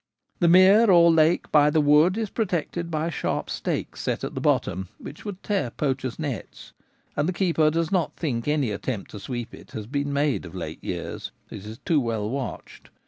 The mere or lake by the wood is protected by sharp stakes set at the bottom, which would tear poachers' nets ; and the keeper does not think any attempt to sweep it has been made of late years, it is too well watched.